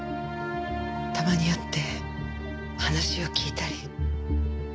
たまに会って話を聞いたり。